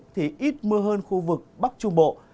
thì ít mưa hơn khu vực bắc trung bộ